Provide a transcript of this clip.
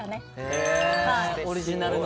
へオリジナルの。